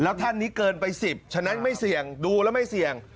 แล้วท่านนี้เกินไป๑๐ฉะนั้นไม่เสี่ยงดูแล้วไม่เสี่ยง